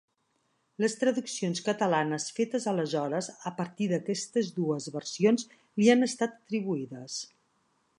Les traduccions catalanes fetes aleshores a partir d'aquestes dues versions li han estat atribuïdes.